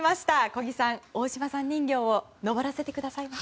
小木さん、大島さん人形を登らせてください。